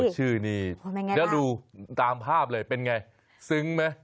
ชื่อนี้แล้วดูตามภาพเลยเป็นไงซึ้งไหม